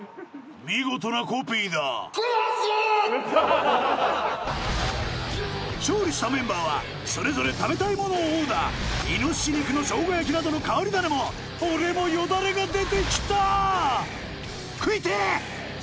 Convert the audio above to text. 見事なコピーだ勝利したメンバーはそれぞれ食べたいものをオーダーいのしし肉のしょうが焼きなどの変わりダネも俺もよだれが出て来た食いてぇ！